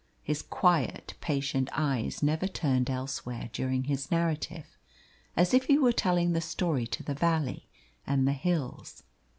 His quiet, patient eyes never turned elsewhere during his narrative, as if he were telling the story to the valley and the hills.